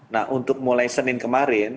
nah untuk mulai senin kemarin